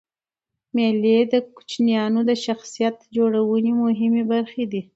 مېلې د کوچنيانو د شخصیت جوړنوني مهمي برخي دي.